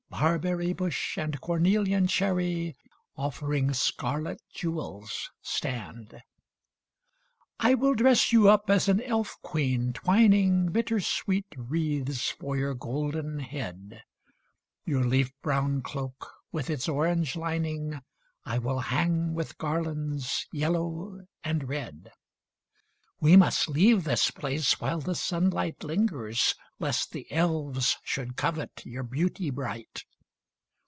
Barberry bush and cornelian cherry Offering scarlet jewels stand. I will dress you up as an elf queen, twining Bittersweet wreaths for your golden head. Your leaf brown cloak with its orange lining I will hang with garlands yellow and red. We must leave this place while the sunlight lingers Lest the elves should covet your beauty bright.